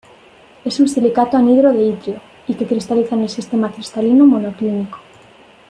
Es un silicato anhidro de itrio, y que cristaliza en el sistema cristalino monoclínico.